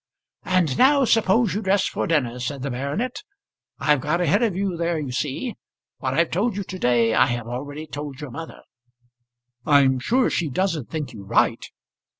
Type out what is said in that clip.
"And now, suppose you dress for dinner," said the baronet. "I've got ahead of you there you see. What I've told you to day I have already told your mother." "I'm sure she doesn't think you right."